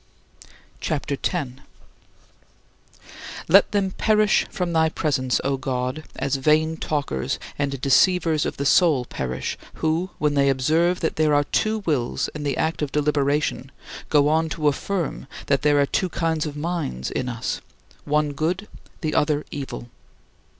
CHAPTER X 22. Let them perish from thy presence, O God, as vain talkers, and deceivers of the soul perish, who, when they observe that there are two wills in the act of deliberation, go on to affirm that there are two kinds of minds in us: one good, the other evil.